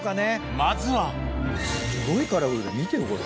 まずはすごいカラフルだ見てこれ。